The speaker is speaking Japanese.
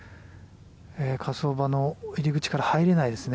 火葬場の入り口から入れないですね。